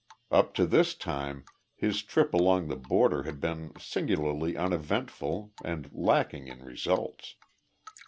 Up to this time his trip along the border had been singularly uneventful and lacking in results.